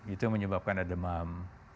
itu menyebabkan ada demam